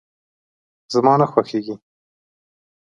زما نه خوښيږي.